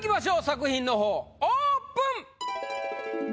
作品の方オープン！